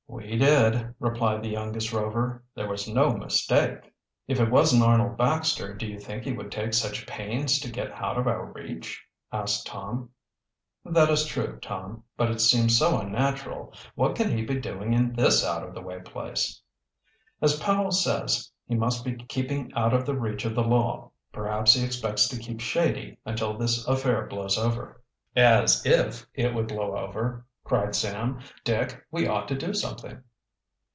"We did," replied the youngest Rover. "There was no mistake?" "If it wasn't Arnold Baxter do you think he would take such pains to get out of our reach?" asked Tom. "That is true, Tom. But it seems so unnatural. What can he be doing in this out of the way place?" "As Powell says, he must be keeping out of the reach of the law. Perhaps he expects to keep shady until this affair blows over." "As if it would blow over!" cried Sam. "Dick, we ought to do something."